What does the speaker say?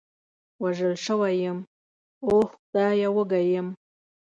وژل شوی یم، اوه خدایه، وږی یم.